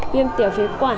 viêm tiểu phế quản